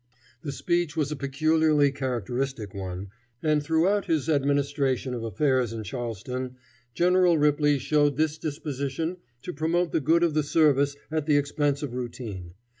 The speech was a peculiarly characteristic one, and throughout his administration of affairs in Charleston, General Ripley showed this disposition to promote the good of the service at the expense of routine.